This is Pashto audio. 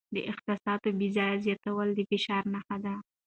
د احساساتو بې ځایه زیاتوالی د فشار نښه ده.